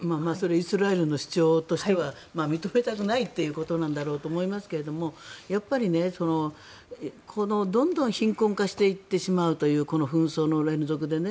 イスラエルの主張としては認めたくないということなんだろうと思いますがやっぱりどんどん貧困化していってしまうというこの紛争の連続でね。